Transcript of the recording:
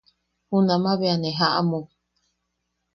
Junamaʼa bea ne jaʼamuk.